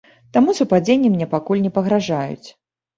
Таму супадзенні мне пакуль не пагражаюць.